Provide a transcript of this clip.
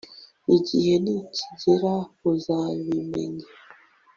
Igihe nikigera uzabimenya